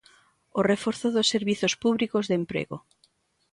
O reforzo dos servizos públicos do emprego.